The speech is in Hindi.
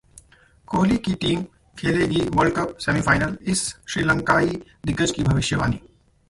कोहली की टीम खेलेगी वर्ल्ड कप सेमीफाइनल, इस श्रीलंकाई दिग्गज की भविष्यवाणी